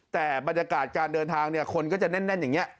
แต่บรรยากาศการเดินทางเนี่ยคนก็จะแน่นอย่างนี้